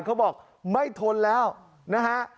เขาบอกไม่ทนแล้วนะฮะ